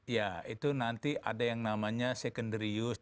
ya itu nanti ada yang namanya secondary use